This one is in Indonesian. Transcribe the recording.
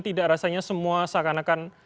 tidak rasanya semua seakan akan